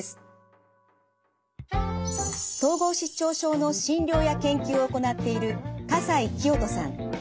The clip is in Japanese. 統合失調症の診療や研究を行っている笠井清登さん。